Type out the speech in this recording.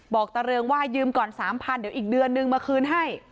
บอกตาเรืองว่ายืมก่อนสามพันเดี๋ยวอีกเดือนหนึ่งมาคืนให้